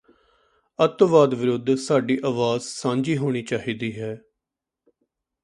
ਅਤਿਵਾਦ ਵਿਰੁੱਧ ਸਾਡੀ ਆਵਾਜ਼ ਸਾਂਝੀ ਹੋਣੀ ਚਾਹੀਦੀ ਹੈ